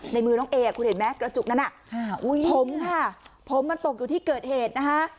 ในมือน้องเอคุณเห็นไหมกระจุกนั้นผมค่ะผมมันตกอยู่ที่เกิดเหตุนะคะ